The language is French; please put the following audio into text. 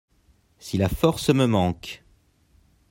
Si la force me manque.